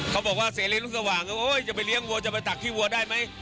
เขาบอกว่าเสรีลูกสว่างจะไปเลี้ยวัวจะไปตักขี้วัวได้ไหม